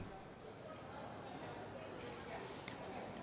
bagaimana menurut anda